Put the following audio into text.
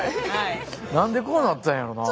何でこうなったんやろなあ。